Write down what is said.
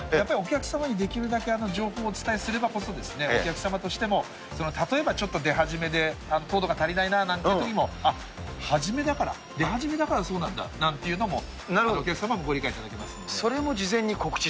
お客様に情報をお伝えすればこそ、お客様としても例えばちょっと出始めで、糖度が足りないなっていうときも、はじめだから、出始めだからそうなんだなんていうのも、お客様もご理解いただけるので。